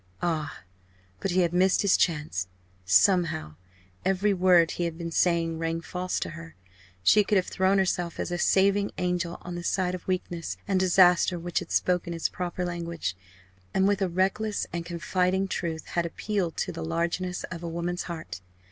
Ah! but he had missed his chance! Somehow, every word he had been saying rang false to her. She could have thrown herself as a saving angel on the side of weakness and disaster which had spoken its proper language, and with a reckless and confiding truth had appealed to the largeness of a woman's heart.